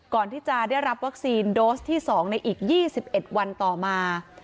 ก่อนที่จะได้รับวัคซีนโดสที่๒ในอีก๒๑วันต่อมา